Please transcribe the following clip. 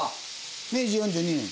明治４２年。